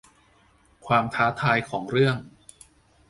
ความท้าทายของเรื่อง